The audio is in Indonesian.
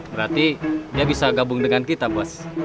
berarti dia bisa gabung dengan kita bos